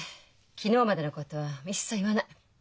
昨日までのことは一切言わない。